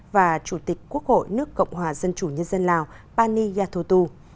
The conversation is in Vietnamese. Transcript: và chủ tịch quốc hội nước cộng hòa dân chủ nhân dân lào pani yathotu